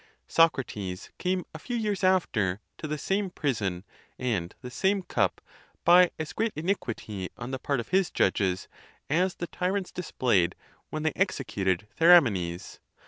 Socrates came, a few years after, to the same prison and the same cup by as great iniquity on the part of his judges as the tyrants displayed when they executed Theramenes.